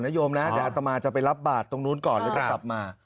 น้อยมน่ะแต่อาตามาจะไปรับบาทตรงนั้นก่อนอืมครับกลับมา